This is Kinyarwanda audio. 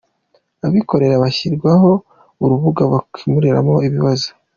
Abikorera bashyiriwe ho urubuga bakemuriramo ibibazo